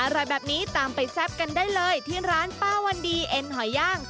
อร่อยแบบนี้ตามไปแซ่บกันได้เลยที่ร้านป้าวันดีเอ็นหอยย่าง